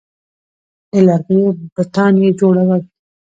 د لرګیو بتان یې جوړول